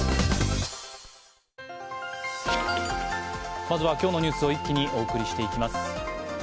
まずは今日のニュースを一気にお送りしていきます。